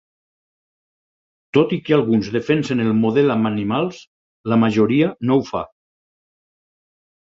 Tot i que alguns defensen el model amb animals, la majoria no ho fa.